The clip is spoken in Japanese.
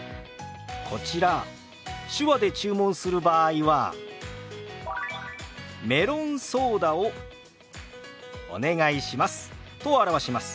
こちら手話で注文する場合は「メロンソーダをお願いします」と表します。